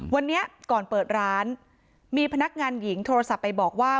วันนี้ก่อนเปิดร้านมีพนักงานหญิงโทรศัพท์ไปบอกว่า